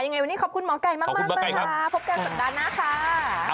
ยังไงวันนี้ขอบคุณหมอไก่มากนะคะพบกันสักนานนะคะครับ